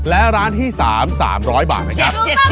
และร้านที่๓๓๐๐บาทนะครับ